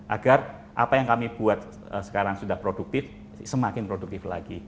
agar apa yang kami buat sekarang sudah produktif semakin produktif lagi